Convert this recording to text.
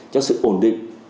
cho sự ổn định